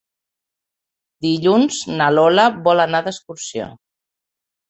Dilluns na Lola vol anar d'excursió.